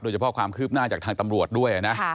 เฉพาะความคืบหน้าจากทางตำรวจด้วยนะ